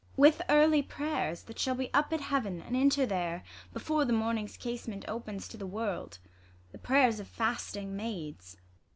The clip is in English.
IsAB. With early prayers that shall Be up at Heaven, and enter there before The morning's casement opens to the world ; The prayers of ftisting maids.